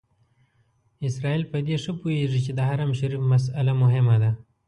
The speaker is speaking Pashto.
اسرائیل په دې ښه پوهېږي چې د حرم شریف مسئله مهمه ده.